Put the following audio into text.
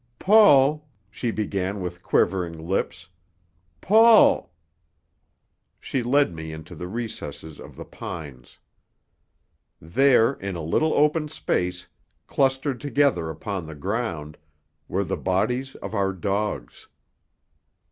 "Paul!" she began with quivering lips. "Paul!" She led me into the recesses of the pines. There, in a little open place, clustered together upon the ground, were the bodies of our dogs.